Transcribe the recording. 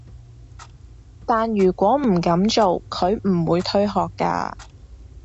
但如果唔噉做，佢唔會退學㗎